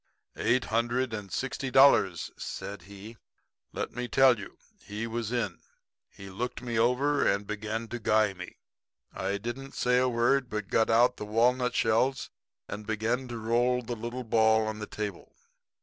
"'Eight hundred and sixty dollars,' said he. 'Let me tell you. He was in. He looked me over and began to guy me. I didn't say a word, but got out the walnut shells and began to roll the little ball on the table.